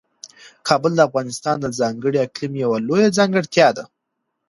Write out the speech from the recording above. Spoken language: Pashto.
کابل د افغانستان د ځانګړي اقلیم یوه لویه ځانګړتیا ده.